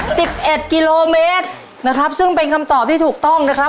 สิบเอ็ดกิโลเมตรนะครับซึ่งเป็นคำตอบที่ถูกต้องนะครับ